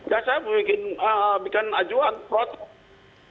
ya saya bikin ajuan protes